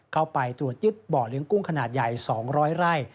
เข้าไปตรวจยึดบ่อเลี้ยงกุ้งขนาดใหญ่๒๐๐ไร่